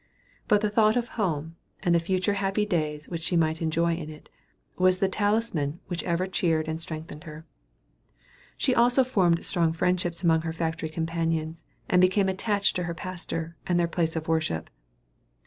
But the thought of home, and the future happy days which she might enjoy in it, was the talisman which ever cheered and strengthened her. She also formed strong friendships among her factory companions, and became attached to her pastor, and their place of worship.